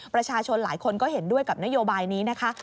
ประชาชนหลายคนก็เห็นด้วยกับนโยบายนี้นะคะ